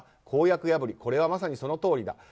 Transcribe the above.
公約破りこれはまさにそのとおりだ。